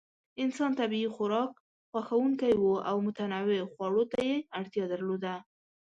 انسان طبیعي خوراک خوښونکی و او متنوع خوړو ته یې اړتیا درلوده.